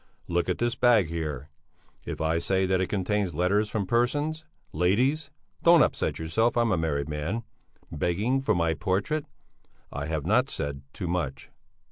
Look at this bag here! If I say that it contains letters from persons ladies don't upset yourself, I'm a married man begging for my portrait, I have not said too much."